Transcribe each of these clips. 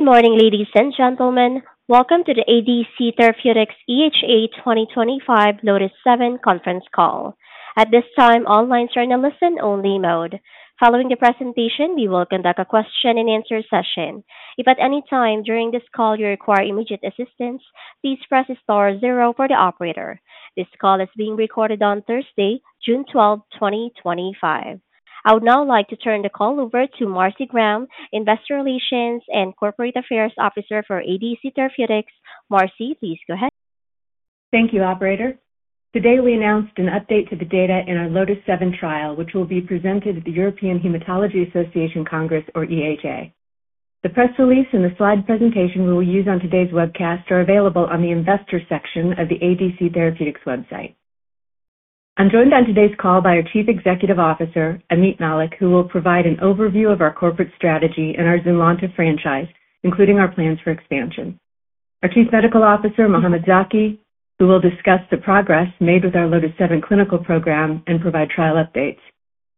Good morning, ladies and gentlemen. Welcome to the ADC Therapeutics EHA 2025 LOTIS-7 conference call. At this time, all lines are in a listen-only mode. Following the presentation, we will conduct a question-and-answer session. If at any time during this call you require immediate assistance, please press star zero for the operator. This call is being recorded on Thursday, June 12, 2025. I would now like to turn the call over to Marcy Graham, Investor Relations and Corporate Affairs Officer for ADC Therapeutics. Marcy, please go ahead. Thank you, Operator. Today we announced an update to the data in our LOTIS-7 trial, which will be presented at the European Hematology Association Congress, or EHA. The press release and the slide presentation we will use on today's webcast are available on the Investor section of the ADC Therapeutics website. I'm joined on today's call by our Chief Executive Officer, Ameet Mallik, who will provide an overview of our corporate strategy and our ZYNLONTA franchise, including our plans for expansion. Our Chief Medical Officer, Mohamed Zaki, who will discuss the progress made with our LOTIS-7 clinical program and provide trial updates.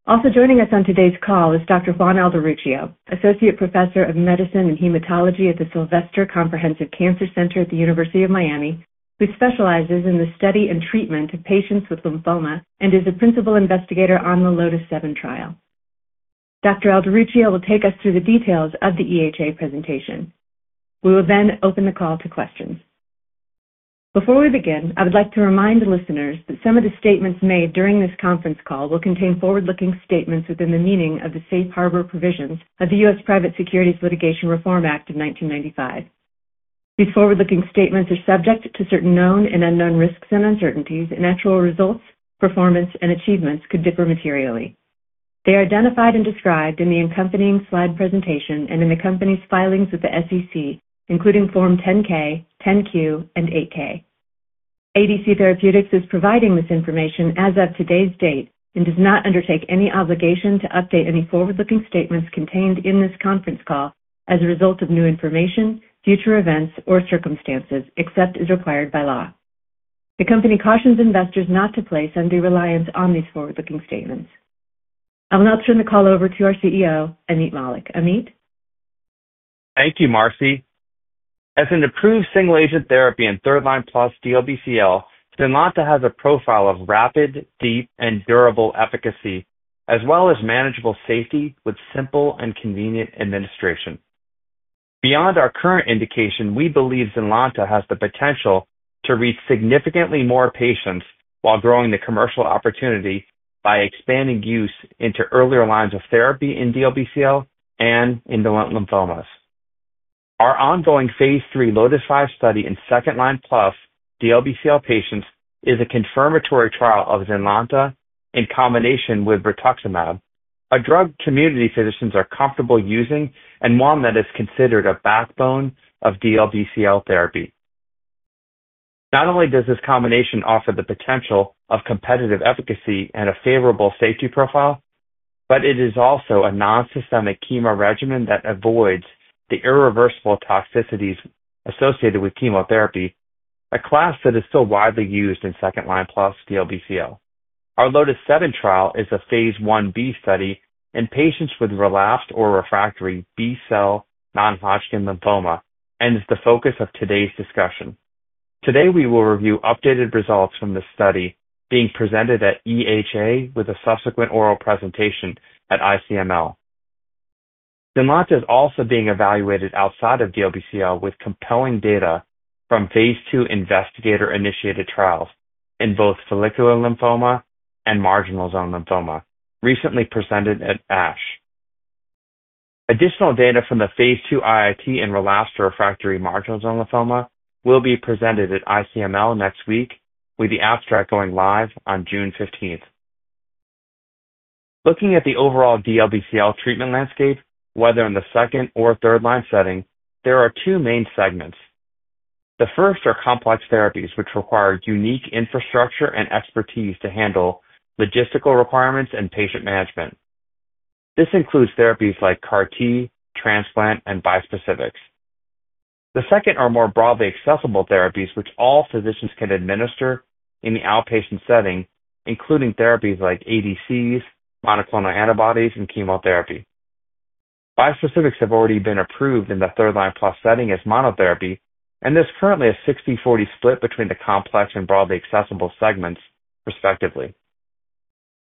Also joining us on today's call is Dr. Juan Alderuccio, Associate Professor of Medicine and Hematology at the Sylvester Comprehensive Cancer Center at the University of Miami, who specializes in the study and treatment of patients with lymphoma and is a principal investigator on the LOTIS-7 trial. Dr. Alderuccio will take us through the details of the EHA presentation. We will then open the call to questions. Before we begin, I would like to remind the listeners that some of the statements made during this conference call will contain forward-looking statements within the meaning of the safe harbor provisions of the U.S. Private Securities Litigation Reform Act of 1995. These forward-looking statements are subject to certain known and unknown risks and uncertainties, and actual results, performance, and achievements could differ materially. They are identified and described in the accompanying slide presentation and in the company's filings with the SEC, including Form 10-K, 10-Q, and 8-K. ADC Therapeutics is providing this information as of today's date and does not undertake any obligation to update any forward-looking statements contained in this conference call as a result of new information, future events, or circumstances, except as required by law. The company cautions investors not to place undue reliance on these forward-looking statements. I will now turn the call over to our CEO, Ameet Mallik. Ameet. Thank you, Marcy. As an approved single-agent therapy in third-line plus DLBCL, ZYNLONTA has a profile of rapid, deep, and durable efficacy, as well as manageable safety with simple and convenient administration. Beyond our current indication, we believe ZYNLONTA has the potential to reach significantly more patients while growing the commercial opportunity by expanding use into earlier lines of therapy in DLBCL and indolent lymphomas. Our ongoing phase III LOTIS-5 study in second-line plus DLBCL patients is a confirmatory trial of ZYNLONTA in combination with rituximab, a drug community physicians are comfortable using and one that is considered a backbone of DLBCL therapy. Not only does this combination offer the potential of competitive efficacy and a favorable safety profile, but it is also a non-systemic chemo regimen that avoids the irreversible toxicities associated with chemotherapy, a class that is still widely used in second-line plus DLBCL. Our LOTIS-7 trial is a phase I-B study in patients with relapsed or refractory B-cell non-Hodgkin lymphoma and is the focus of today's discussion. Today we will review updated results from the study being presented at EHA with a subsequent oral presentation at ICML. ZYNLONTA is also being evaluated outside of DLBCL with compelling data from phase II investigator-initiated trials in both follicular lymphoma and marginal zone lymphoma, recently presented at ASH. Additional data from the phase II IIT in relapsed or refractory marginal zone lymphoma will be presented at ICML next week, with the abstract going live on June 15th. Looking at the overall DLBCL treatment landscape, whether in the second or third-line setting, there are two main segments. The first are complex therapies, which require unique infrastructure and expertise to handle logistical requirements and patient management. This includes therapies like CAR-T, transplant, and bispecifics. The second are more broadly accessible therapies, which all physicians can administer in the outpatient setting, including therapies like ADCs, monoclonal antibodies, and chemotherapy. Bispecifics have already been approved in the third-line plus setting as monotherapy, and there's currently a 60/40 split between the complex and broadly accessible segments, respectively.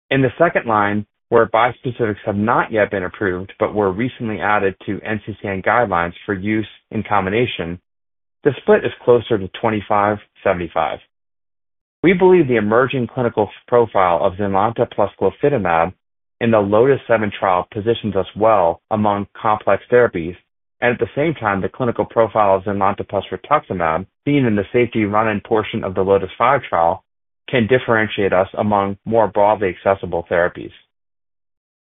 In the second line, where bispecifics have not yet been approved but were recently added to NCCN guidelines for use in combination, the split is closer to 25/75. We believe the emerging clinical profile of ZYNLONTA plus glofitamab in the LOTIS-7 trial positions us well among complex therapies, and at the same time, the clinical profile of ZYNLONTA plus rituximab, seen in the safety run-in portion of the LOTIS-5 trial, can differentiate us among more broadly accessible therapies.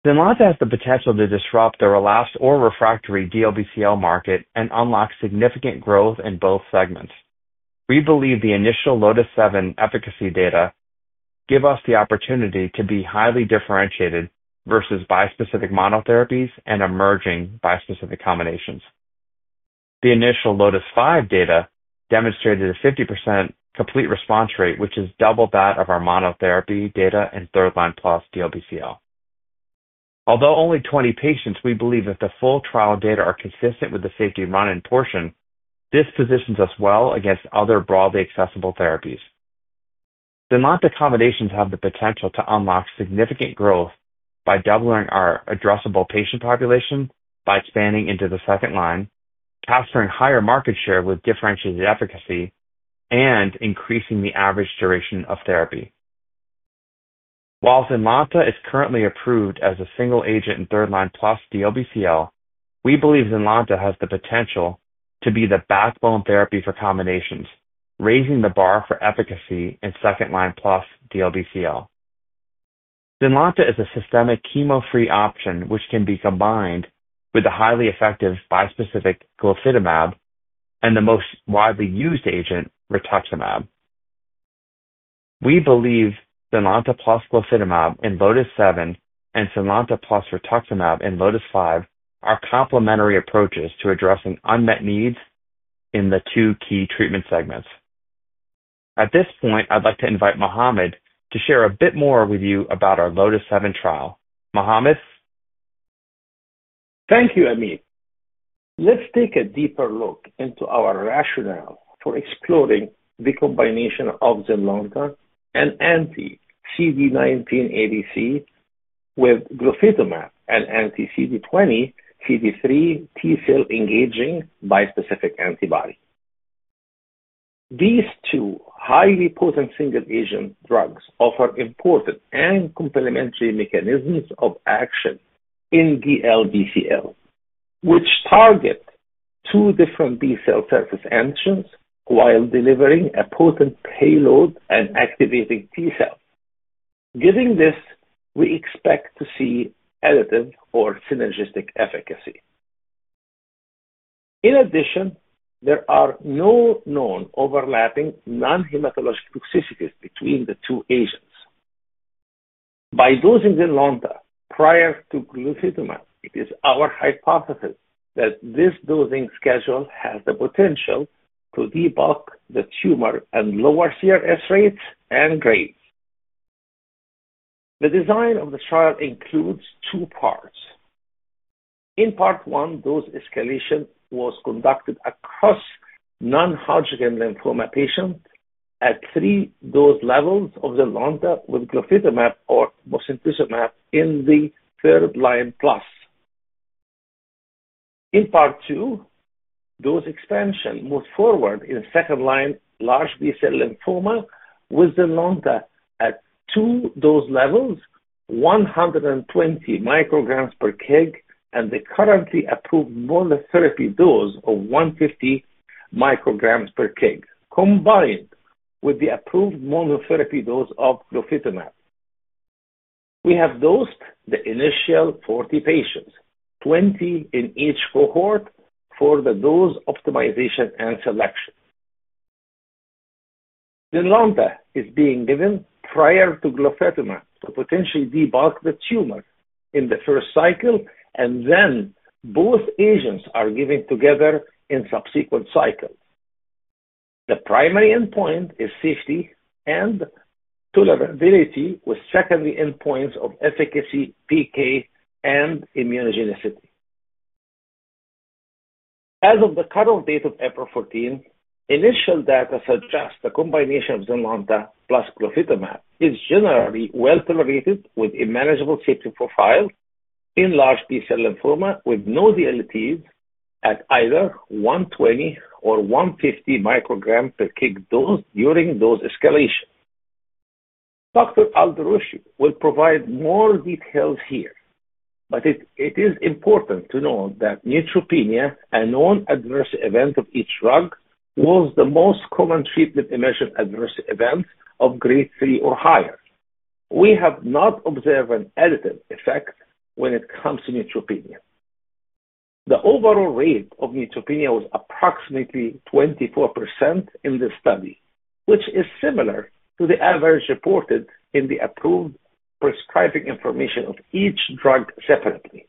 ZYNLONTA has the potential to disrupt the relapsed or refractory DLBCL market and unlock significant growth in both segments. We believe the initial LOTIS-7 efficacy data give us the opportunity to be highly differentiated versus bispecific monotherapies and emerging bispecific combinations. The initial LOTIS-5 data demonstrated a 50% complete response rate, which is double that of our monotherapy data in third-line plus DLBCL. Although only 20 patients, we believe that the full trial data are consistent with the safety run-in portion, this positions us well against other broadly accessible therapies. ZYNLONTA combinations have the potential to unlock significant growth by doubling our addressable patient population, by expanding into the second line, capturing higher market share with differentiated efficacy, and increasing the average duration of therapy. While ZYNLONTA is currently approved as a single-agent in third-line plus DLBCL, we believe ZYNLONTA has the potential to be the backbone therapy for combinations, raising the bar for efficacy in second-line plus DLBCL. ZYNLONTA is a systemic chemo-free option, which can be combined with the highly effective bispecific glofitamab and the most widely used agent, rituximab. We believe ZYNLONTA plus glofitamab in LOTIS-7 and ZYNLONTA plus rituximab in LOTIS-5 are complementary approaches to addressing unmet needs in the two key treatment segments. At this point, I'd like to invite Mohamed to share a bit more with you about our LOTIS-7 trial. Mohamed? Thank you, Ameet. Let's take a deeper look into our rationale for exploring the combination of ZYNLONTA, an anti-CD19 ADC, with glofitamab, an anti-CD20, CD3 T-cell engaging bispecific antibody. These two highly potent single-agent drugs offer important and complementary mechanisms of action in DLBCL, which target two different B-cell surface antigens while delivering a potent payload and activating T-cell. Given this, we expect to see additive or synergistic efficacy. In addition, there are no known overlapping non-hematologic toxicities between the two agents. By dosing ZYNLONTA prior to glofitamab, it is our hypothesis that this dosing schedule has the potential to debulk the tumor and lower CRS rates and grades. The design of the trial includes two parts. In part one, dose escalation was conducted across non-Hodgkin lymphoma patients at three dose levels of ZYNLONTA with glofitamab or mosunetuzumab in the third-line plus. In part two, dose expansion moved forward in second-line large B-cell lymphoma with ZYNLONTA at two dose levels, 120 mcg/kg, and the currently approved monotherapy dose of 150 mcg/kg, combined with the approved monotherapy dose of glofitamab. We have dosed the initial 40 patients, 20 in each cohort, for the dose optimization and selection. ZYNLONTA is being given prior to glofitamab to potentially debulk the tumor in the first cycle, and then both agents are given together in subsequent cycles. The primary endpoint is safety and tolerability, with secondary endpoints of efficacy, PK, and immunogenicity. As of the current date of April 14, initial data suggest the combination of ZYNLONTA plus glofitamab is generally well tolerated with a manageable safety profile in large B-cell lymphoma with no DLTs at either 120 mcg/kg or 150 mcg/kg dose during dose escalation. Dr. Alderuccio will provide more details here, but it is important to note that neutropenia, a known adverse event of each drug, was the most common treatment-emergent adverse event of grade three or higher. We have not observed an additive effect when it comes to neutropenia. The overall rate of neutropenia was approximately 24% in this study, which is similar to the average reported in the approved prescribing information of each drug separately.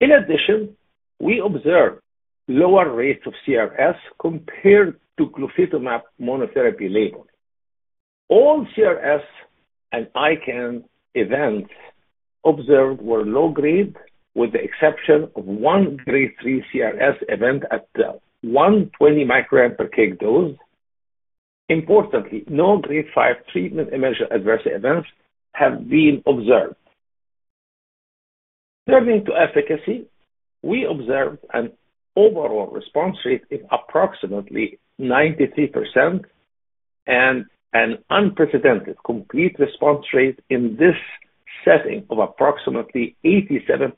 In addition, we observed lower rates of CRS compared to glofitamab monotherapy label. All CRS and ICANS events observed were low-grade, with the exception of one grade three CRS event at 120 mcg/kg. Importantly, no grade five treatment-emergent adverse events have been observed. Turning to efficacy, we observed an overall response rate of approximately 93% and an unprecedented complete response rate in this setting of approximately 87%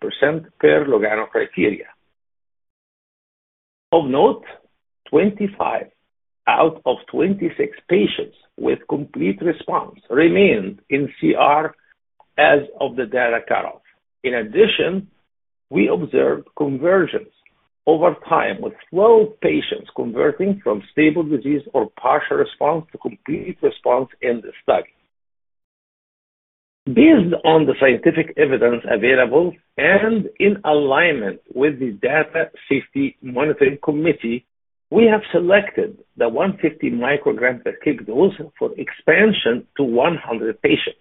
per Lugano criteria. Of note, 25 out of 26 patients with complete response remained in CR as of the data cutoff. In addition, we observed conversions over time with 12 patients converting from stable disease or partial response to complete response in this study. Based on the scientific evidence available and in alignment with the Data Safety Monitoring Committee, we have selected the 150 mcg/kg dose for expansion to 100 patients.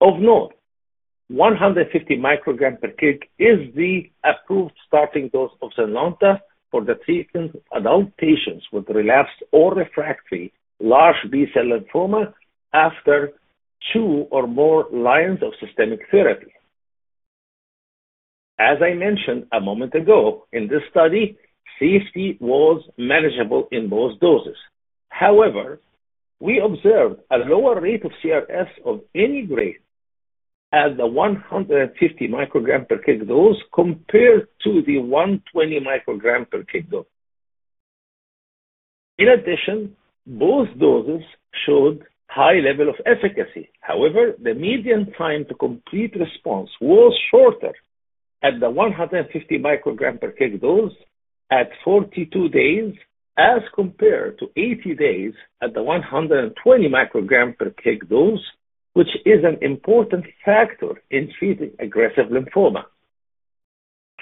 Of note, 150 mcg/kg is the approved starting dose of ZYNLONTA for the treatment of adult patients with relapsed or refractory large B-cell lymphoma after two or more lines of systemic therapy. As I mentioned a moment ago, in this study, safety was manageable in both doses. However, we observed a lower rate of CRS of any grade at the 150 mcg/kg dose compared to the 120 mcg/kg. In addition, both doses showed high level of efficacy. However, the median time to complete response was shorter at the 150 mcg/kg dose at 42 days as compared to 80 days at the 120 mcg/kg dose, which is an important factor in treating aggressive lymphoma.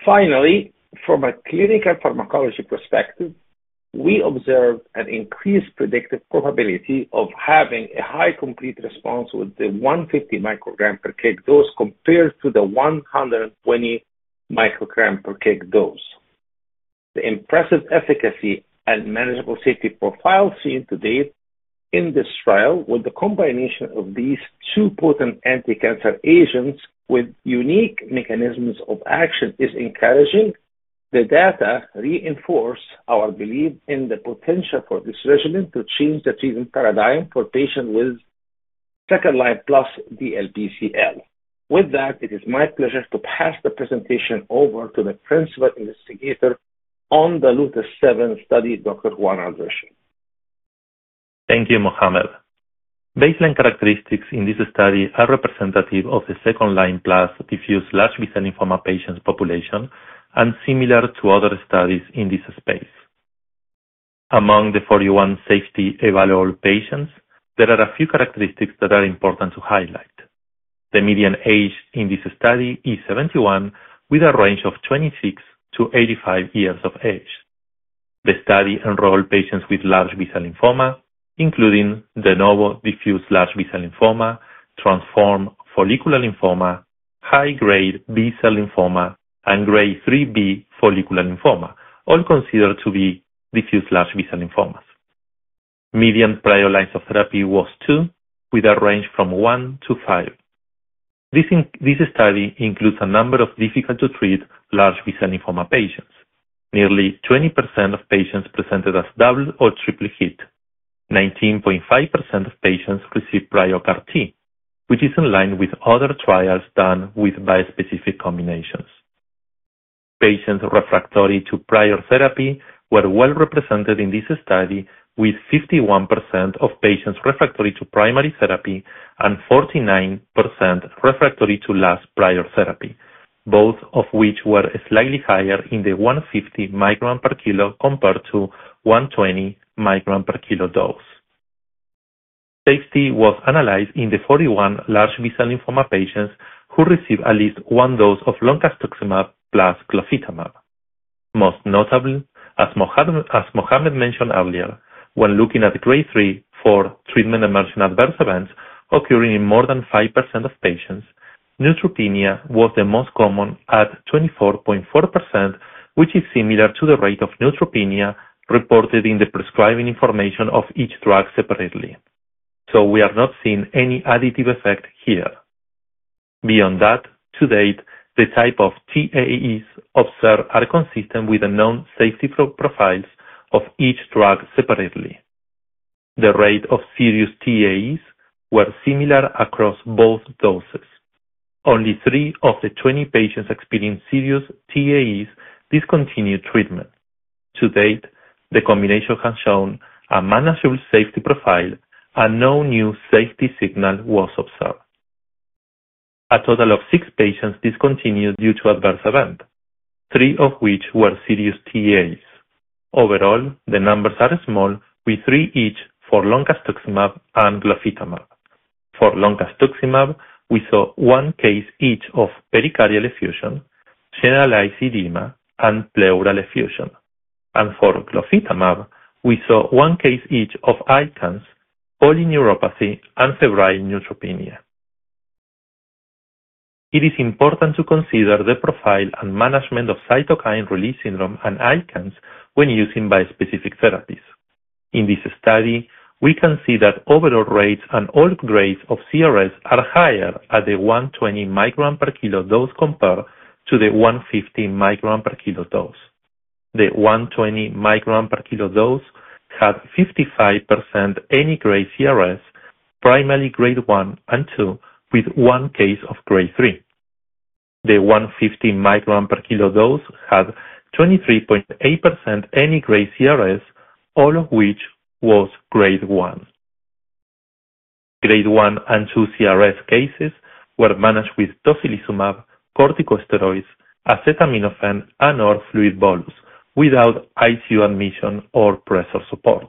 Finally, from a clinical pharmacology perspective, we observed an increased predictive probability of having a high complete response with the 150 mcg/kg dose compared to the 120 mcg/kg dose. The impressive efficacy and manageable safety profile seen to date in this trial with the combination of these two potent anti-cancer agents with unique mechanisms of action is encouraging. The data reinforce our belief in the potential for this regimen to change the treatment paradigm for patients with second-line plus DLBCL. With that, it is my pleasure to pass the presentation over to the principal investigator on the LOTIS-7 study, Dr. Juan Alderuccio. Thank you, Mohamed. Baseline characteristics in this study are representative of the second-line plus diffuse large B-cell lymphoma patients' population and similar to other studies in this space. Among the 41 safety evaluable patients, there are a few characteristics that are important to highlight. The median age in this study is 71, with a range of 26 to 85 years of age. The study enrolled patients with large B-cell lymphoma, including de novo diffuse large B-cell lymphoma, transformed follicular lymphoma, high-grade B-cell lymphoma, and grade three-B follicular lymphoma, all considered to be diffuse large B-cell lymphomas. Median prior lines of therapy was two, with a range from one to five. This study includes a number of difficult-to-treat large B-cell lymphoma patients. Nearly 20% of patients presented as double or triple hit. 19.5% of patients received prior CAR-T, which is in line with other trials done with bispecific combinations. Patients refractory to prior therapy were well represented in this study, with 51% of patients refractory to primary therapy and 49% refractory to last prior therapy, both of which were slightly higher in the 150 mcg/kg compared to 120 mcg/kg dose. Safety was analyzed in the 41 large B-cell lymphoma patients who received at least one dose of loncastuximab plus glofitamab. Most notably, as Mohamed mentioned earlier, when looking at grade three or four treatment-emergent adverse events occurring in more than 5% of patients, neutropenia was the most common at 24.4%, which is similar to the rate of neutropenia reported in the prescribing information of each drug separately. We are not seeing any additive effect here. Beyond that, to date, the type of TEAEs observed are consistent with the known safety profiles of each drug separately. The rate of serious TEAEs was similar across both doses. Only three of the 20 patients who experienced serious TEAEs discontinued treatment. To date, the combination has shown a manageable safety profile and no new safety signal was observed. A total of six patients discontinued due to adverse event, three of which were serious TEAEs. Overall, the numbers are small, with three each for loncastuximab and glofitamab. For loncastuximab, we saw one case each of pericardial effusion, generalized edema, and pleural effusion. For glofitamab, we saw one case each of ICANS, polyneuropathy, and febrile neutropenia. It is important to consider the profile and management of cytokine release syndrome and ICANS when using bispecific therapies. In this study, we can see that overall rates and all grades of CRS are higher at the 120 mcg/kg dose compared to the 150 mcg/kg dose. The 120 mcg/kg dose had 55% any grade CRS, primarily grade one and two, with one case of grade three. The 150 mcg/kg dose had 23.8% any grade CRS, all of which was grade one. Grade one and two CRS cases were managed with tocilizumab, corticosteroids, acetaminophen, and/or fluid bolus without ICU admission or pressor support.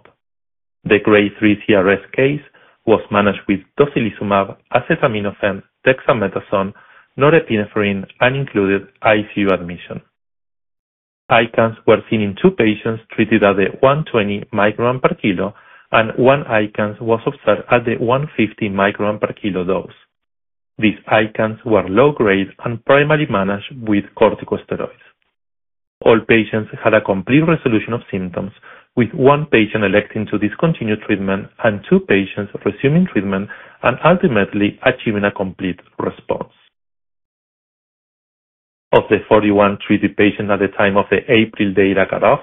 The grade three CRS case was managed with tocilizumab, acetaminophen, dexamethasone, norepinephrine, and included ICU admission. ICANS were seen in two patients treated at the 120 mcg/kg, and 1 ICANS was observed at the 150 mcg/kg dose. These ICANS were low-grade and primarily managed with corticosteroids. All patients had a complete resolution of symptoms, with 1 patient electing to discontinue treatment and two patients resuming treatment and ultimately achieving a complete response. Of the 41 treated patients at the time of the April data cutoff,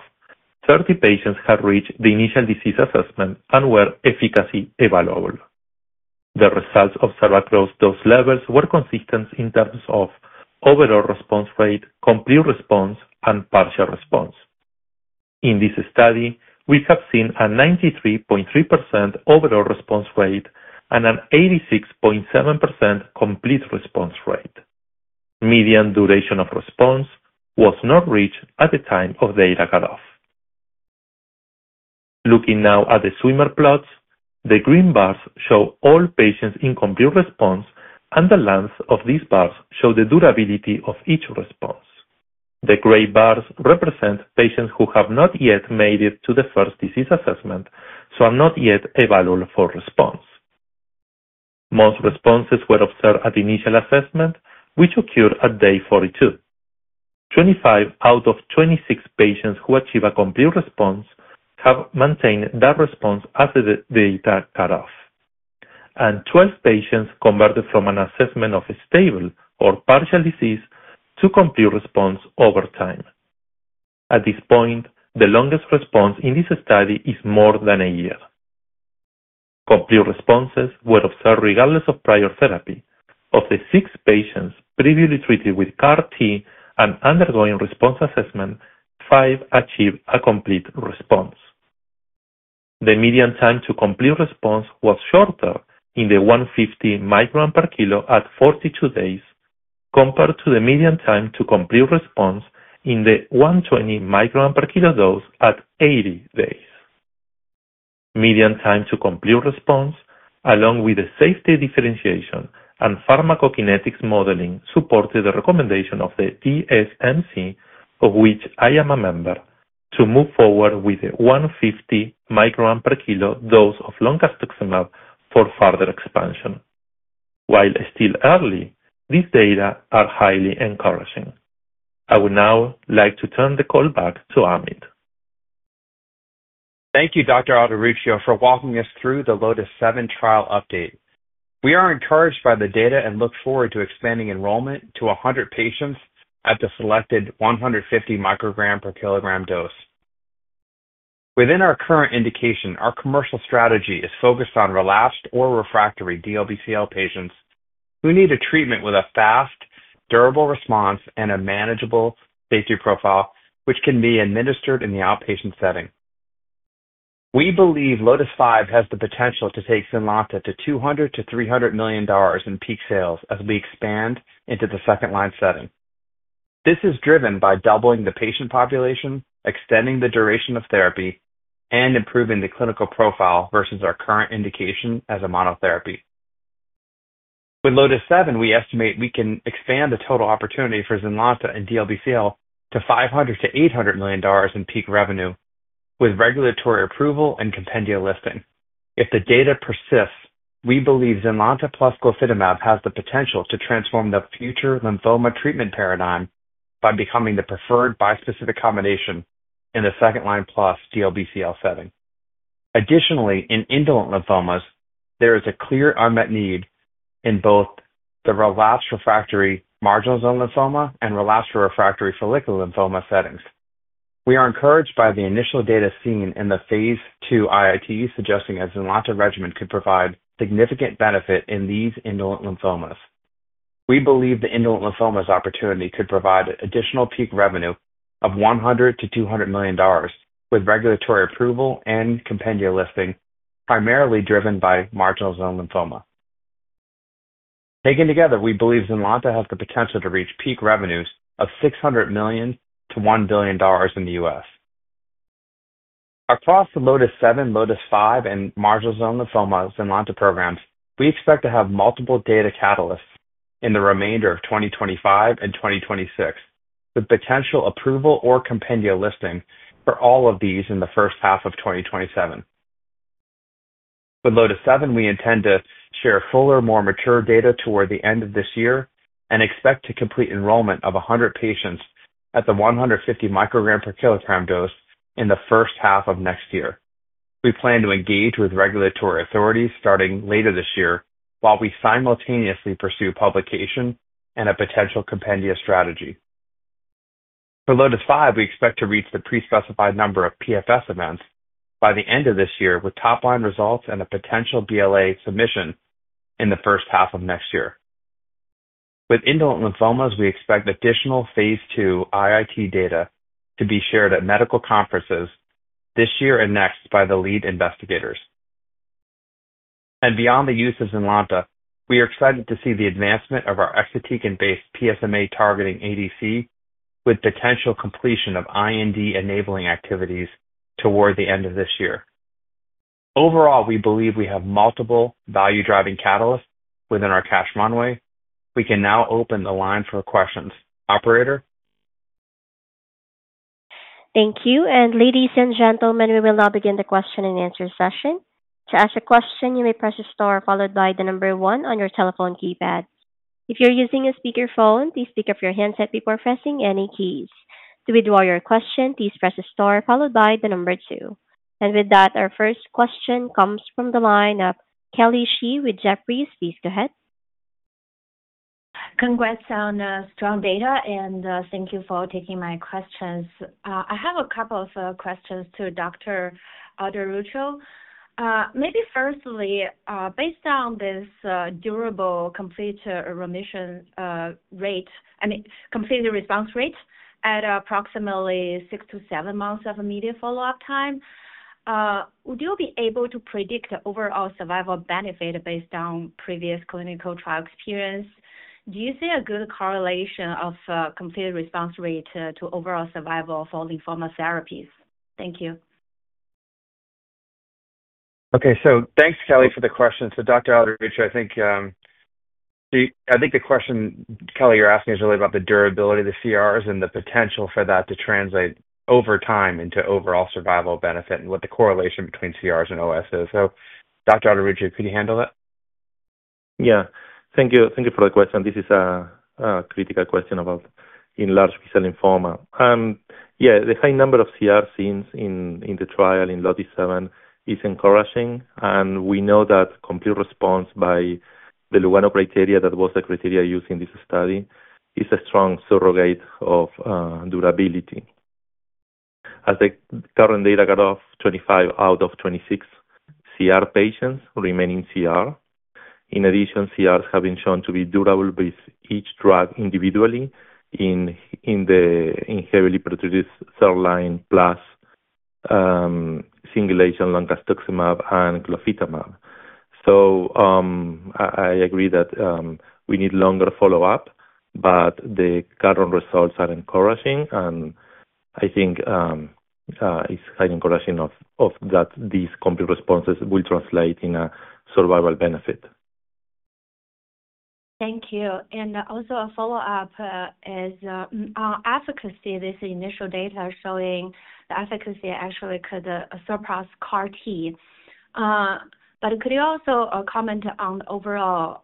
30 patients had reached the initial disease assessment and were efficacy evaluable. The results observed across those levels were consistent in terms of overall response rate, complete response, and partial response. In this study, we have seen a 93.3% overall response rate and an 86.7% complete response rate. Median duration of response was not reached at the time of data cutoff. Looking now at the swimmer plots, the green bars show all patients in complete response, and the length of these bars shows the durability of each response. The gray bars represent patients who have not yet made it to the first disease assessment, so are not yet evaluable for response. Most responses were observed at initial assessment, which occurred at day 42. Twenty-five out of twenty-six patients who achieved a complete response have maintained that response after the data cutoff. Twelve patients converted from an assessment of stable or partial disease to complete response over time. At this point, the longest response in this study is more than a year. Complete responses were observed regardless of prior therapy. Of the six patients previously treated with CAR-T and undergoing response assessment, five achieved a complete response. The median time to complete response was shorter in the 150 mcg/kg at 42 days compared to the median time to complete response in the 120 mcg/kg dose at 80 days. Median time to complete response, along with the safety differentiation and pharmacokinetics modeling, supported the recommendation of the DSMC, of which I am a member, to move forward with the 150 mcg/kg dose of loncastuximab tesirine for further expansion. While still early, these data are highly encouraging. I would now like to turn the call back to Ameet. Thank you, Dr. Alderuccio, for walking us through the LOTIS-7 trial update. We are encouraged by the data and look forward to expanding enrollment to 100 patients at the selected 150 mcg/kg dose. Within our current indication, our commercial strategy is focused on relapsed or refractory DLBCL patients who need a treatment with a fast, durable response, and a manageable safety profile, which can be administered in the outpatient setting. We believe LOTIS-5 has the potential to take ZYNLONTA to $200 million-$300 million in peak sales as we expand into the second-line setting. This is driven by doubling the patient population, extending the duration of therapy, and improving the clinical profile versus our current indication as a monotherapy. With LOTIS-7, we estimate we can expand the total opportunity for ZYNLONTA in DLBCL to $500 million-$800 million in peak revenue, with regulatory approval and compendia listing. If the data persists, we believe ZYNLONTA plus glofitamab has the potential to transform the future lymphoma treatment paradigm by becoming the preferred bispecific combination in the second-line plus DLBCL setting. Additionally, in indolent lymphomas, there is a clear unmet need in both the relapsed refractory marginal zone lymphoma and relapsed refractory follicular lymphoma settings. We are encouraged by the initial data seen in the phase II IIT suggesting that the ZYNLONTA regimen could provide significant benefit in these indolent lymphomas. We believe the indolent lymphomas opportunity could provide additional peak revenue of $100 million-$200 million with regulatory approval and compendia listing, primarily driven by marginal zone lymphoma. Taken together, we believe ZYNLONTA has the potential to reach peak revenues of $600 million-$1 billion in the U.S. Across the LOTIS-7, LOTIS-5, and marginal zone lymphoma ZYNLONTA programs, we expect to have multiple data catalysts in the remainder of 2025 and 2026, with potential approval or compendia listing for all of these in the first half of 2027. With LOTIS-7, we intend to share fuller, more mature data toward the end of this year and expect to complete enrollment of 100 patients at the 150 mcg/kg dose in the first half of next year. We plan to engage with regulatory authorities starting later this year while we simultaneously pursue publication and a potential compendia strategy. For LOTIS-5, we expect to reach the prespecified number of PFS events by the end of this year, with top-line results and a potential BLA submission in the first half of next year. With indolent lymphomas, we expect additional phase II IIT data to be shared at medical conferences this year and next by the lead investigators. Beyond the use of ZYNLONTA, we are excited to see the advancement of our exatecan-based PSMA targeting ADC, with potential completion of IND-enabling activities toward the end of this year. Overall, we believe we have multiple value-driving catalysts within our cash runway. We can now open the line for questions. Operator? Thank you. Ladies and gentlemen, we will now begin the question and answer session. To ask a question, you may press the star followed by the number 1 on your telephone keypad. If you're using a speakerphone, please take off your handset before pressing any keys. To withdraw your question, please press the star followed by the number 2. With that, our first question comes from the line of Kelly Shi with Jefferies. Please go ahead. Congrats on strong data, and thank you for taking my questions. I have a couple of questions to Dr. Alderuccio. Maybe firstly, based on this durable complete remission rate, I mean, complete response rate at approximately 6 months-7 months of immediate follow-up time, would you be able to predict the overall survival benefit based on previous clinical trial experience? Do you see a good correlation of complete response rate to overall survival for lymphoma therapies? Thank you. Okay. Thanks, Kelly, for the question. Dr. Alderuccio, I think the question, Kelly, you're asking is really about the durability of the CRs and the potential for that to translate over time into overall survival benefit and what the correlation between CRs and OS is. Dr. Alderuccio, could you handle that? Yeah. Thank you. Thank you for the question. This is a critical question about enlarged B-cell lymphoma. Yeah, the high number of CRs seen in the trial in LOTIS-7 is encouraging. We know that complete response by the Lugano criteria, that was the criteria used in this study, is a strong surrogate of durability. As the current data cutoff, 25 out of 26 CR patients remain in CR. In addition, CRs have been shown to be durable with each drug individually in heavily pretreated third-line plus single-agent loncastuximab and glofitamab. I agree that we need longer follow-up, but the current results are encouraging, and I think it's highly encouraging that these complete responses will translate in a survival benefit. Thank you. And also a follow-up is efficacy. This initial data showing the efficacy actually could surpass CAR-T. But could you also comment on the overall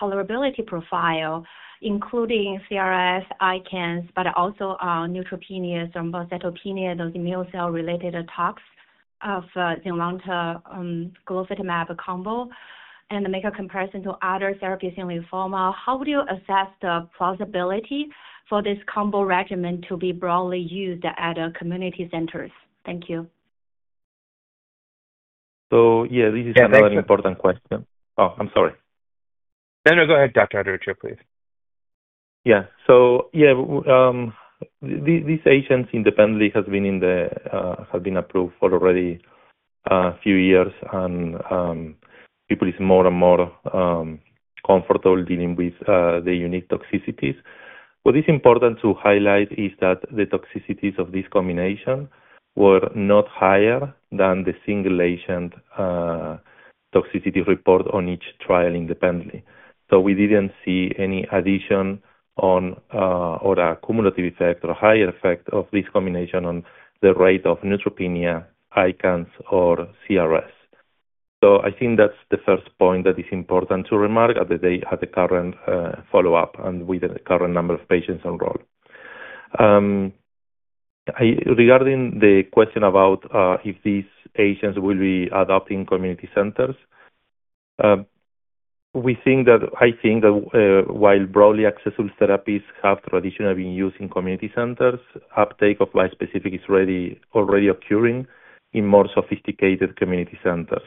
tolerability profile, including CRS, ICANS, but also neutropenia or myelosuppression, those immune cell-related toxicities of ZYNLONTA glofitamab combo? And make a comparison to other therapies in lymphoma. How would you assess the plausibility for this combo regimen to be broadly used at community centers? Thank you. Yeah, this is another important question. Oh, I'm sorry. No, no, go ahead, Dr. Alderuccio, please. Yeah. So yeah, these agents independently have been approved for already a few years, and people are more and more comfortable dealing with the unique toxicities. What is important to highlight is that the toxicities of this combination were not higher than the single-agent toxicity reported on each trial independently. We did not see any addition on or a cumulative effect or higher effect of this combination on the rate of neutropenia, ICANS, or CRS. I think that is the first point that is important to remark at the current follow-up and with the current number of patients enrolled. Regarding the question about if these agents will be adopted in community centers, I think that while broadly accessible therapies have traditionally been used in community centers, uptake of bispecific is already occurring in more sophisticated community centers.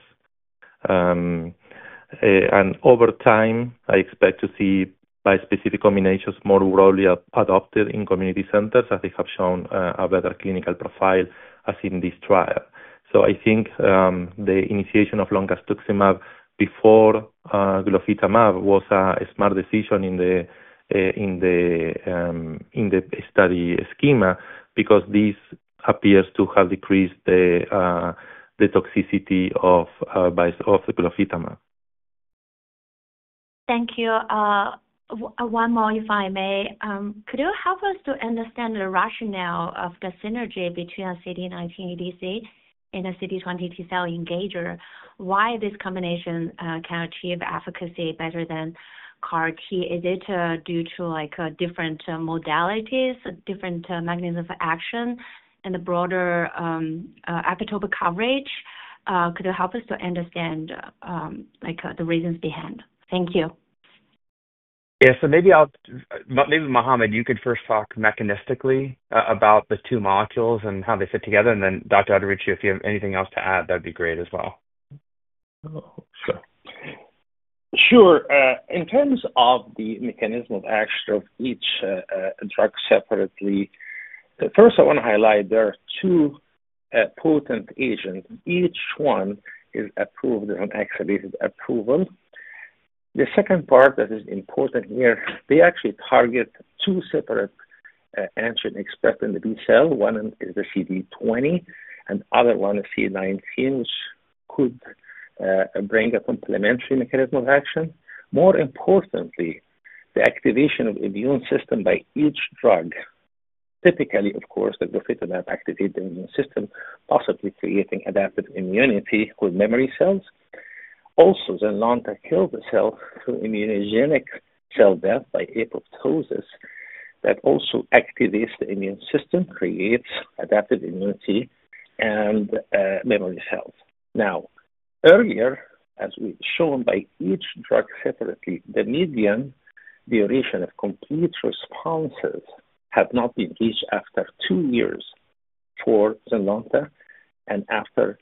Over time, I expect to see bispecific combinations more broadly adopted in community centers, as they have shown a better clinical profile as in this trial. I think the initiation of loncastuximab before glofitamab was a smart decision in the study schema because this appears to have decreased the toxicity of glofitamab. Thank you. One more, if I may. Could you help us to understand the rationale of the synergy between CD19 ADC and CD20 T-cell engager? Why this combination can achieve efficacy better than CAR-T? Is it due to different modalities, different mechanisms of action, and the broader epitope coverage? Could you help us to understand the reasons behind? Thank you. Yeah. So maybe, Mohamed, you could first talk mechanistically about the two molecules and how they fit together. And then Dr. Alderuccio, if you have anything else to add, that'd be great as well. Sure. In terms of the mechanism of action of each drug separately, first, I want to highlight there are two potent agents. Each one is approved on accelerated approval. The second part that is important here, they actually target two separate antigens expressed in the B-cell. One is the CD20, and the other one is CD19, which could bring a complementary mechanism of action. More importantly, the activation of the immune system by each drug, typically, of course, the glofitamab activated the immune system, possibly creating adaptive immunity with memory cells. Also, ZYNLONTA kills the cell through immunogenic cell death by apoptosis that also activates the immune system, creates adaptive immunity, and memory cells. Now, earlier, as we've shown by each drug separately, the median duration of complete responses has not been reached after two years for ZYNLONTA and after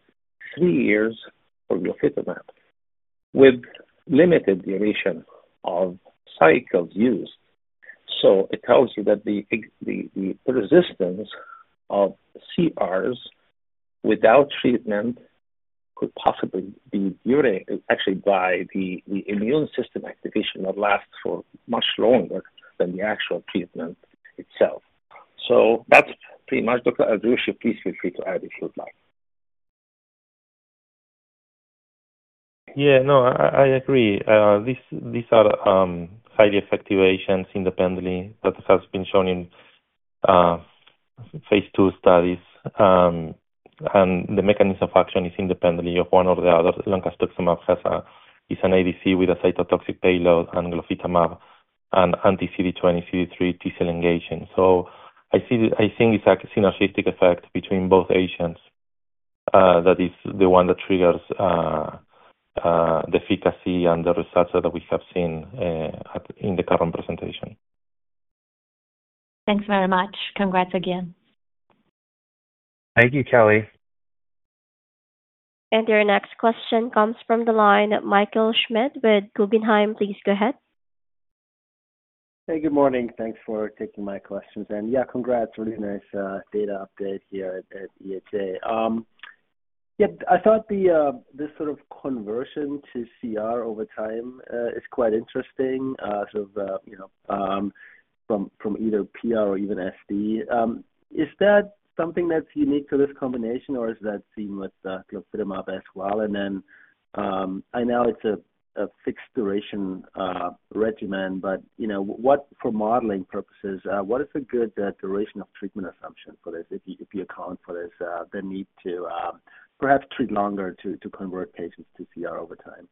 three years for glofitamab, with limited duration of cycles used. It tells you that the resistance of CRs without treatment could possibly be actually by the immune system activation that lasts for much longer than the actual treatment itself. That is pretty much it. Dr. Alderuccio, please feel free to add if you'd like. Yeah. No, I agree. These are highly effective agents independently that have been shown in phase II studies. And the mechanism of action is independent of one or the other. Loncastuximab is an ADC with a cytotoxic payload and glofitamab an anti-CD20, CD3, T-cell engaging. I think it's a synergistic effect between both agents that is the one that triggers the efficacy and the results that we have seen in the current presentation. Thanks very much. Congrats again. Thank you, Kelly. Your next question comes from the line of Michael Schmidt with Guggenheim. Please go ahead. Hey, good morning. Thanks for taking my questions. Yeah, congrats. Really nice data update here at EHA. I thought this sort of conversion to CR over time is quite interesting, sort of from either PR or even SD. Is that something that's unique to this combination, or is that seen with glofitamab as well? I know it's a fixed duration regimen, but for modeling purposes, what is a good duration of treatment assumption for this if you account for the need to perhaps treat longer to convert patients to CR over time?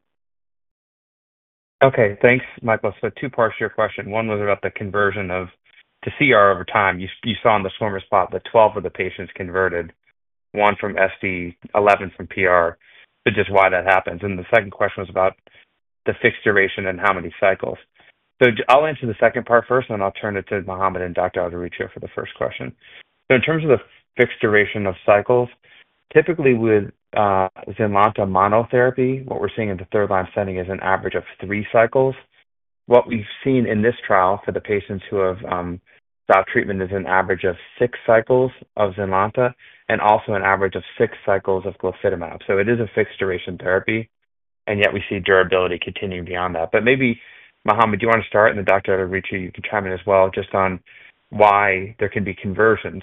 Okay. Thanks, Michael. Two parts to your question. One was about the conversion to CR over time. You saw in the swimmer's plot that 12 of the patients converted, one from SD, 11 from PR, which is why that happens. The second question was about the fixed duration and how many cycles. I'll answer the second part first, and I'll turn it to Mohamed and Dr. Alderuccio for the first question. In terms of the fixed duration of cycles, typically with ZYNLONTA monotherapy, what we're seeing in the third-line setting is an average of three cycles. What we've seen in this trial for the patients who have stopped treatment is an average of six cycles of ZYNLONTA and also an average of six cycles of glofitamab. It is a fixed duration therapy, and yet we see durability continuing beyond that. Maybe, Mohamed, do you want to start, and then Dr. Alderuccio, you can chime in as well just on why there can be conversions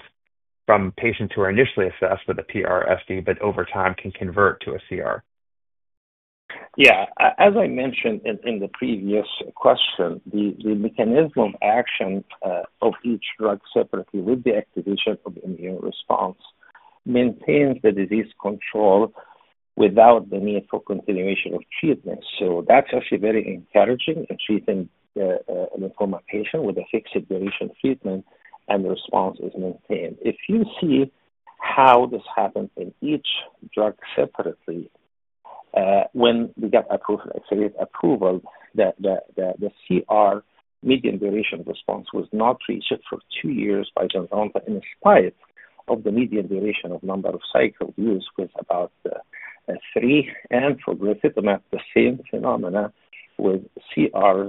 from patients who are initially assessed with a PR, SD, but over time can convert to a CR? Yeah. As I mentioned in the previous question, the mechanism of action of each drug separately with the activation of immune response maintains the disease control without the need for continuation of treatment. That is actually very encouraging in treating a lymphoma patient with a fixed duration treatment, and the response is maintained. If you see how this happens in each drug separately, when we got approval, accelerated approval, the CR median duration response was not reached for two years by ZYNLONTA in spite of the median duration of number of cycles used was about three. For glofitamab, the same phenomenon with CR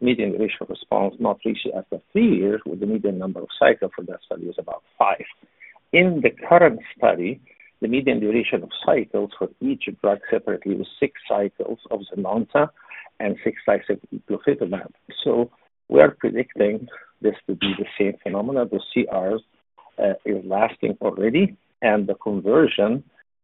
median duration response not reached after three years with the median number of cycles for that study was about five. In the current study, the median duration of cycles for each drug separately was six cycles of ZYNLONTA and six cycles of glofitamab. We are predicting this to be the same phenomenon. The CR is lasting already, and the conversion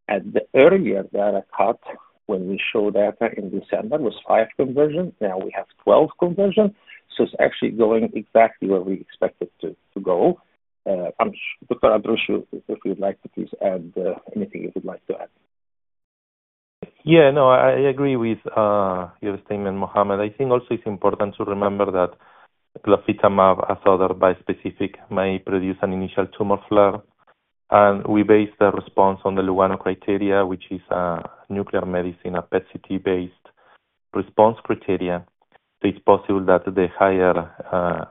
at the earlier data cut when we showed data in December was five conversions. Now we have 12 conversions. It is actually going exactly where we expect it to go. Dr. Alderuccio, if you'd like to please add anything you would like to add. Yeah. No, I agree with your statement, Mohamed. I think also it's important to remember that glofitamab, as other bispecific, may produce an initial tumor flare. We based the response on the Lugano criteria, which is a nuclear medicine, a PET-CT-based response criteria. It's possible that the higher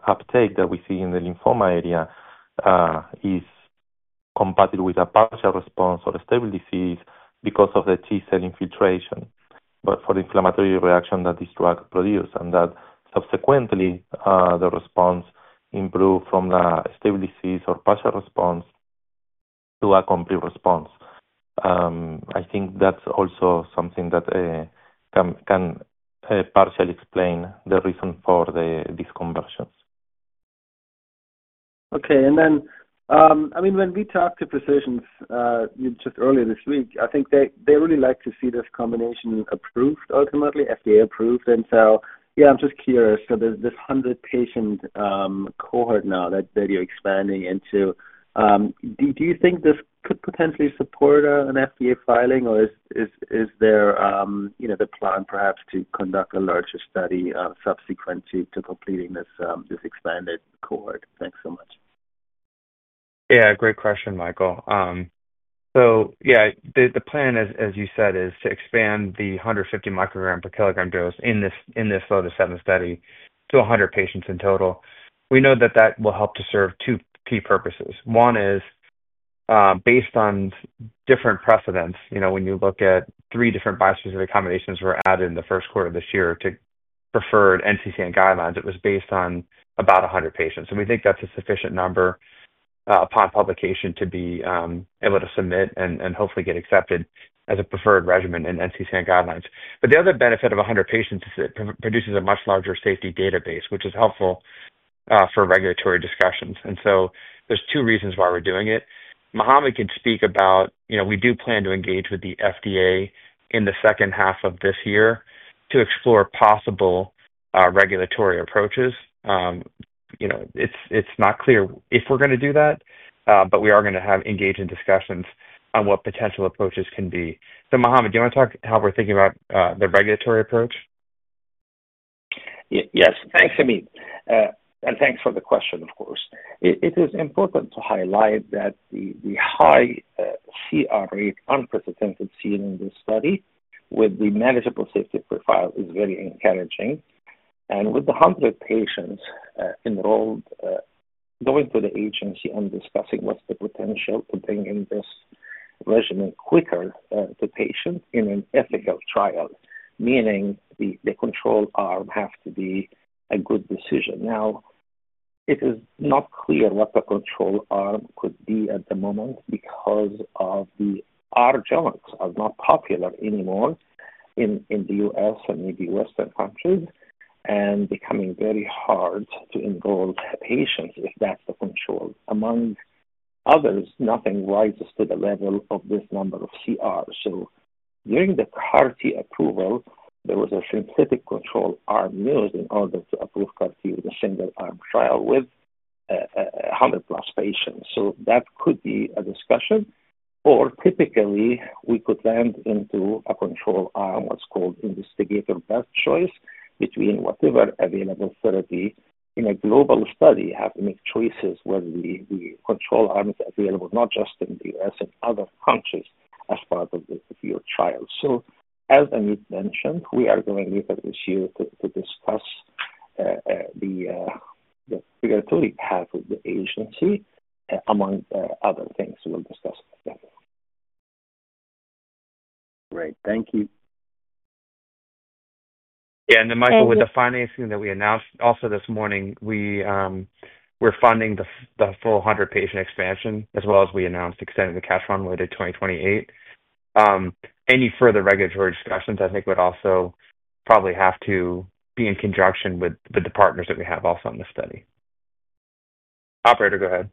uptake that we see in the lymphoma area is compatible with a partial response or a stable disease because of the T-cell infiltration but for the inflammatory reaction that this drug produced and that subsequently the response improved from the stable disease or partial response to a complete response. I think that's also something that can partially explain the reason for these conversions. Okay. I mean, when we talked to physicians just earlier this week, I think they really like to see this combination approved ultimately, FDA-approved. Yeah, I'm just curious. This 100-patient cohort now that you're expanding into, do you think this could potentially support an FDA filing, or is there the plan perhaps to conduct a larger study subsequent to completing this expanded cohort? Thanks so much. Yeah. Great question, Michael. So yeah, the plan, as you said, is to expand the 150 mcg/kg in this LOTIS-7 study to 100 patients in total. We know that that will help to serve two key purposes. One is based on different precedents. When you look at three different bispecific combinations that were added in the first quarter of this year to preferred NCCN guidelines, it was based on about 100 patients. We think that's a sufficient number upon publication to be able to submit and hopefully get accepted as a preferred regimen in NCCN guidelines. The other benefit of 100 patients is that it produces a much larger safety database, which is helpful for regulatory discussions. There are two reasons why we're doing it. Mohamed can speak about we do plan to engage with the FDA in the second half of this year to explore possible regulatory approaches. It's not clear if we're going to do that, but we are going to engage in discussions on what potential approaches can be. Mohamed, do you want to talk how we're thinking about the regulatory approach? Yes. Thanks, Ameet. Thanks for the question, of course. It is important to highlight that the high CR rate unprecedented seen in this study with the manageable safety profile is very encouraging. With the 100 patients enrolled, going to the agency and discussing what's the potential to bring in this regimen quicker to patients in an ethical trial, meaning the control arm has to be a good decision. Now, it is not clear what the control arm could be at the moment because the Argelics are not popular anymore in the U.S. and maybe Western countries and becoming very hard to enroll patients if that's the control. Among others, nothing rises to the level of this number of CRs. During the CAR-T approval, there was a synthetic control arm used in order to approve CAR-T with a single-arm trial with 100-plus patients. That could be a discussion. Or typically, we could land into a control arm, what's called investigator best choice, between whatever available therapy in a global study having choices where the control arm is available not just in the U.S., in other countries as part of your trial. As Ameet mentioned, we are going to meet with you to discuss the regulatory path with the agency among other things we'll discuss together. Great. Thank you. Yeah. And then, Michael, with the financing that we announced also this morning, we're funding the full 100-patient expansion as well as we announced extending the cash fund later 2028. Any further regulatory discussions, I think, would also probably have to be in conjunction with the partners that we have also in the study. Operator, go ahead.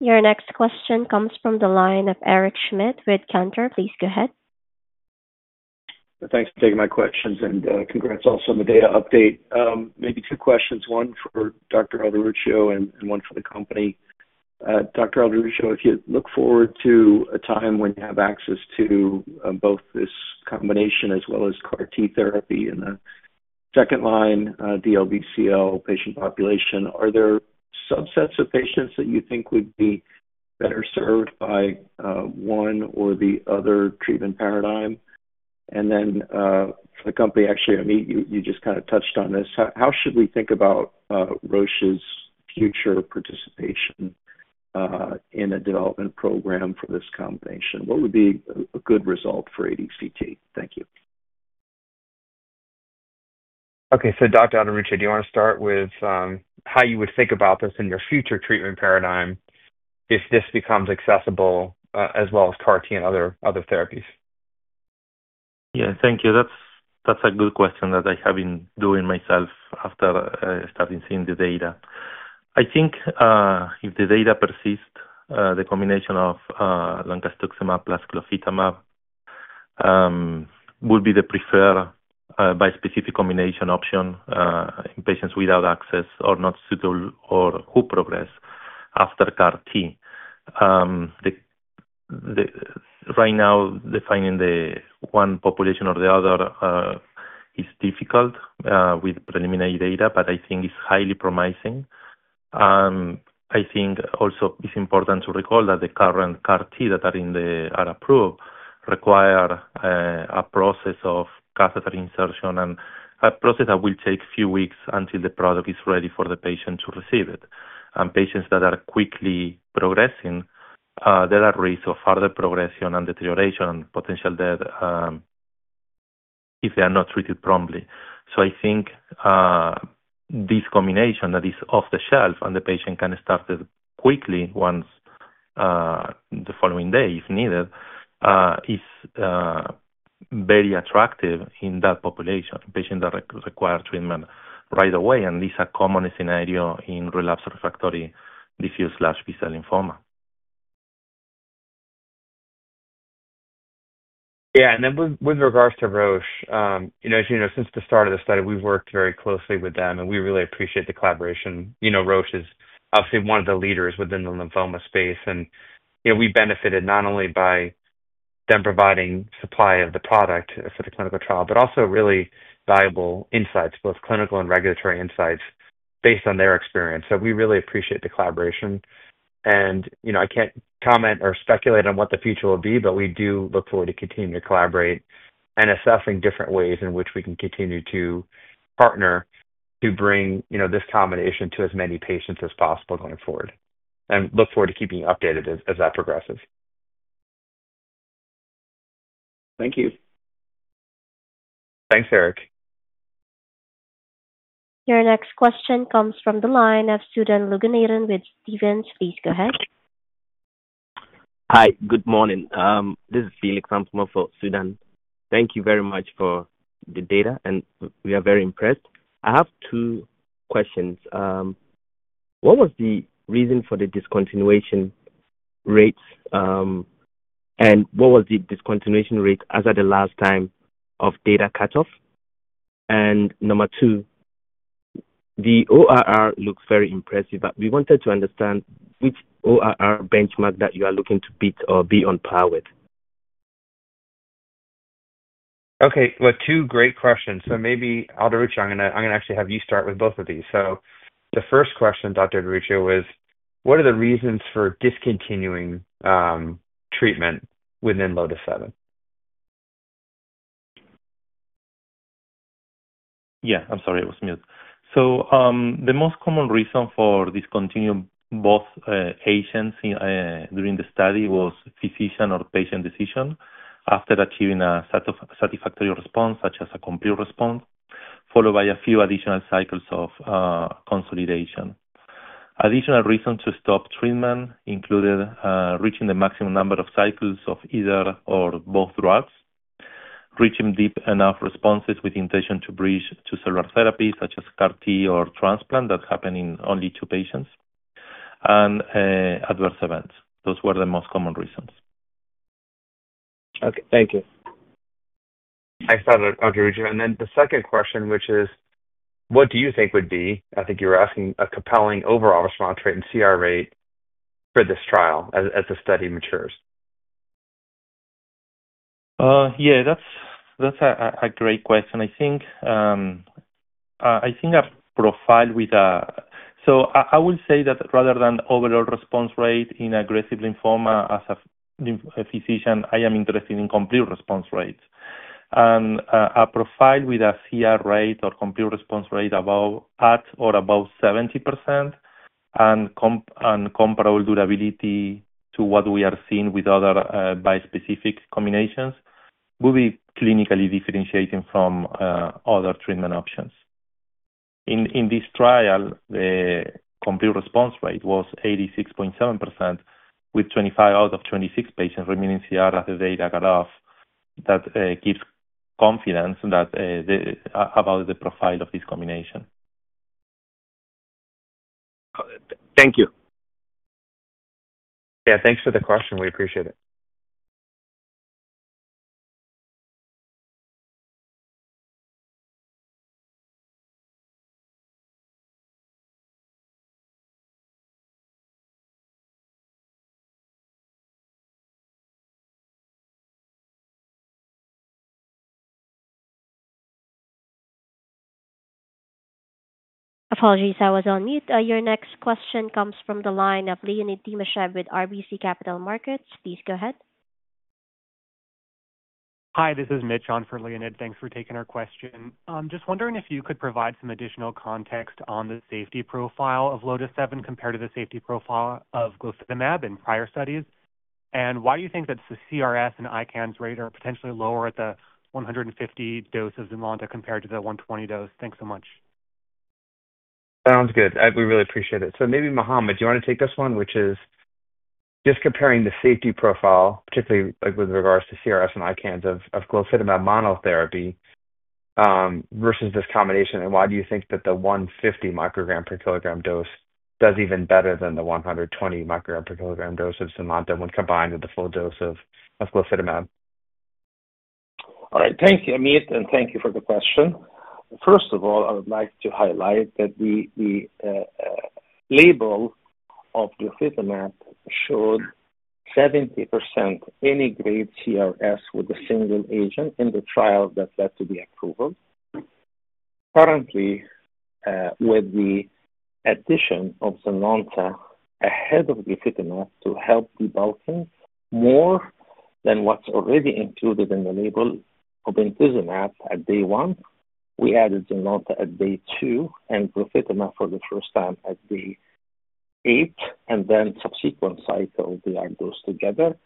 Your next question comes from the line of Eric Schmidt with Cantor. Please go ahead. Thanks for taking my questions and congrats also on the data update. Maybe two questions, one for Dr. Alderuccio and one for the company. Dr. Alderuccio, if you look forward to a time when you have access to both this combination as well as CAR-T therapy in the second-line, DLBCL patient population, are there subsets of patients that you think would be better served by one or the other treatment paradigm? For the company, actually, Ameet, you just kind of touched on this. How should we think about Roche's future participation in a development program for this combination? What would be a good result for ADCT? Thank you. Okay. Dr. Alderuccio, do you want to start with how you would think about this in your future treatment paradigm if this becomes accessible as well as CAR-T and other therapies? Yeah. Thank you. That's a good question that I have been doing myself after starting seeing the data. I think if the data persist, the combination of loncastuximab plus glofitamab would be the preferred bispecific combination option in patients without access or not suitable or who progress after CAR-T. Right now, defining the one population or the other is difficult with preliminary data, but I think it's highly promising. I think also it's important to recall that the current CAR-T that are approved require a process of catheter insertion and a process that will take a few weeks until the product is ready for the patient to receive it. Patients that are quickly progressing, there are rates of further progression and deterioration and potential death if they are not treated promptly. I think this combination that is off the shelf and the patient can start it quickly the following day if needed is very attractive in that population, patients that require treatment right away. This is a common scenario in relapsed refractory diffuse large B-cell lymphoma. Yeah. And then with regards to Roche, as you know, since the start of the study, we've worked very closely with them, and we really appreciate the collaboration. Roche is obviously one of the leaders within the lymphoma space. We benefited not only by them providing supply of the product for the clinical trial, but also really valuable insights, both clinical and regulatory insights based on their experience. We really appreciate the collaboration. I can't comment or speculate on what the future will be, but we do look forward to continuing to collaborate and assessing different ways in which we can continue to partner to bring this combination to as many patients as possible going forward. We look forward to keeping you updated as that progresses. Thank you. Thanks, Eric. Your next question comes from the line of Sudan Loganathan with Stephens. Please go ahead. Hi. Good morning. This is Felix Ampomah for Sudan. Thank you very much for the data, and we are very impressed. I have two questions. What was the reason for the discontinuation rates, and what was the discontinuation rate as of the last time of data cutoff? Number two, the ORR looks very impressive. We wanted to understand which ORR benchmark that you are looking to be on par with. Okay. Two great questions. Maybe, Alderuccio, I'm going to actually have you start with both of these. The first question, Dr. Alderuccio, was, what are the reasons for discontinuing treatment within LOTIS-7? Yeah. I'm sorry. It was muted. The most common reason for discontinuing both agents during the study was physician or patient decision after achieving a satisfactory response such as a complete response, followed by a few additional cycles of consolidation. Additional reasons to stop treatment included reaching the maximum number of cycles of either or both drugs, reaching deep enough responses with intention to bridge to cellular therapies such as CAR-T or transplant that happened in only two patients, and adverse events. Those were the most common reasons. Okay. Thank you. Thanks, Dr. Alderuccio. The second question, which is, what do you think would be—I think you were asking—a compelling overall response rate and CR rate for this trial as the study matures? Yeah. That's a great question. I think a profile with a—so I will say that rather than overall response rate in aggressive lymphoma, as a physician, I am interested in complete response rates. And a profile with a CR rate or complete response rate at or above 70% and comparable durability to what we are seeing with other bispecific combinations would be clinically differentiating from other treatment options. In this trial, the complete response rate was 86.7% with 25 out of 26 patients remaining CR as the data cut off. That gives confidence about the profile of this combination. Thank you. Yeah. Thanks for the question. We appreciate it. Apologies. I was on mute. Your next question comes from the line of Leonid Dimashev with RBC Capital Markets. Please go ahead. Hi. This is Mitch on for Leonid. Thanks for taking our question. I'm just wondering if you could provide some additional context on the safety profile of LOTIS-7 compared to the safety profile of glofitamab in prior studies. And why do you think that CRS and ICANS rate are potentially lower at the 150 mcg/kg dose of ZYNLONTA compared to the 120 mcg/kg dose? Thanks so much. Sounds good. We really appreciate it. Maybe, Mohamed, do you want to take this one, which is just comparing the safety profile, particularly with regards to CRS and ICANS of glofitamab monotherapy versus this combination? And why do you think that the 150 mcg/kg dose does even better than the 120 mcg/kg dose of ZYNLONTA when combined with the full dose of glofitamab? All right. Thank you, Ameet. And thank you for the question. First of all, I would like to highlight that the label of glofitamab showed 70% any grade CRS with a single agent in the trial that led to the approval. Currently, with the addition of ZYNLONTA ahead of glofitamab to help debulking more than what is already included in the label of rituximab at day one, we added ZYNLONTA at day two and glofitamab for the first time at day eight. And then subsequent cycle, we add those together,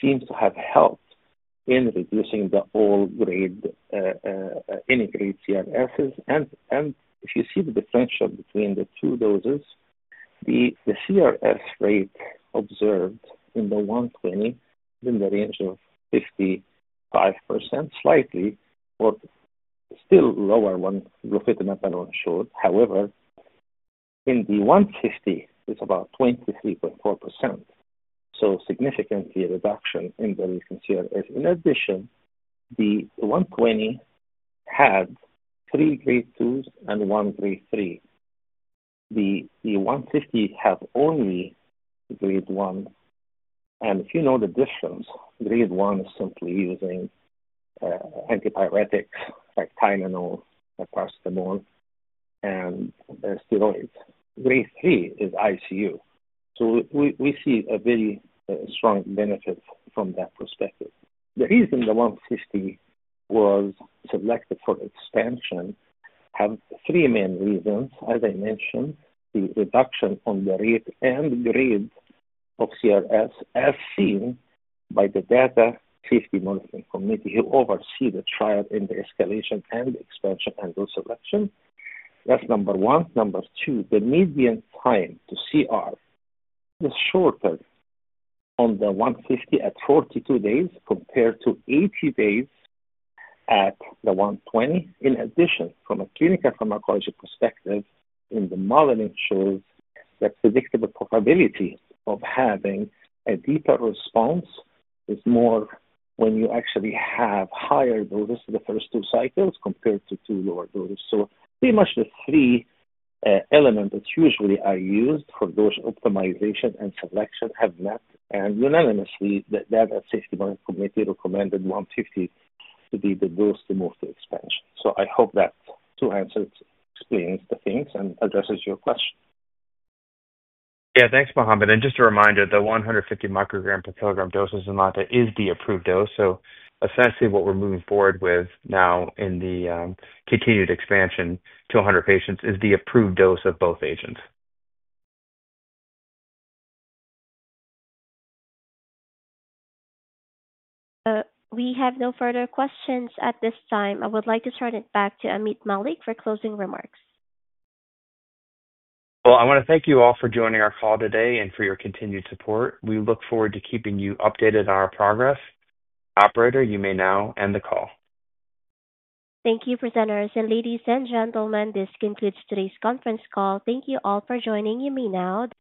seems to have helped in reducing the all-grade any grade CRS. And if you see the differential between the two doses, the CRS rate observed in the 120 mcg/kg is in the range of 55%, slightly or still lower than glofitamab alone showed. However, in the 150 mcg/kg, it is about 23.4%. So significant reduction in the recent CRS. In addition, the 120 mcg/kg had three grade two's and one grade three. The 150 mcg/kg have only grade one. If you know the difference, grade one is simply using antipyretics like Tylenol, paracetamol, and steroids. Grade three is ICU. We see a very strong benefit from that perspective. The reason the 150 mcg/kg was selected for expansion has three main reasons. As I mentioned, the reduction on the rate and grade of CRS, as seen by the Data Safety Monitoring Committee who oversee the trial in the escalation and expansion and dose selection. That is number one. Number two, the median time to CR is shorter on the 150 mcg/kg at 42 days compared to 80 days at the 120 mcg/kg. In addition, from a clinical pharmacology perspective, in the modeling, it shows that predictable probability of having a deeper response is more when you actually have higher doses in the first two cycles compared to two lower doses. Pretty much the three elements that usually are used for dose optimization and selection have met. Unanimously, the Data Safety Monitoring Committee recommended 150 mcg/kg to be the dose to move to expansion. I hope that two answers explain the things and address your question. Yeah. Thanks, Mohamed. Just a reminder, the 150 mcg/kg dose of ZYNLONTA is the approved dose. Essentially, what we're moving forward with now in the continued expansion to 100 patients is the approved dose of both agents. We have no further questions at this time. I would like to turn it back to Ameet Mallik for closing remarks. I want to thank you all for joining our call today and for your continued support. We look forward to keeping you updated on our progress. Operator, you may now end the call. Thank you, presenters. Ladies and gentlemen, this concludes today's conference call. Thank you all for joining. You may now.